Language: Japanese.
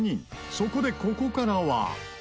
そこで、ここからは松下：